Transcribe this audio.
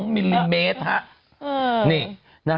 ๕๒มิลลิเมนซ์ฮะ